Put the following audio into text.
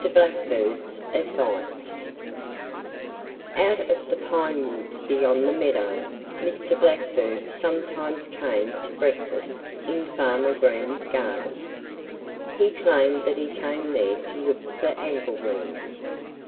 BLACKBIRD'S ADVICE OUT of the pine woods beyond the meadow Mr. Blackbird sometimes came to breakfast in Farmer Green's garden. He claimed that he came there to look for angleworms.